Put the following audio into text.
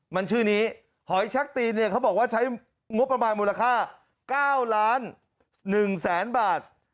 มันชื่อนี้หอยชักตีนเนี่ยเขาบอกว่าใช้งบประมาณมูลค่า๙ล้าน๑แสนบาท